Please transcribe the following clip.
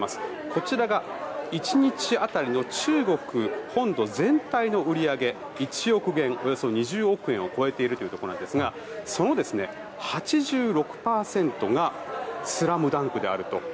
こちらが１日当たりの中国本土全体の売り上げ１億元、およそ２０億円を超えているところ何ですがその８６％が「ＳＬＡＭＤＵＮＫ」だと。